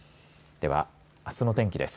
では、あすの天気です。